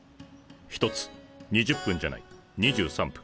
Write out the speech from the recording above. １つ２０分じゃない２３分。